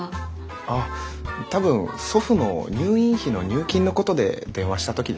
あっ多分祖父の入院費の入金のことで電話した時ですね。